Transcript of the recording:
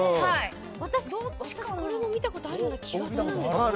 私、どっちか見たことあるような気がするんですよね。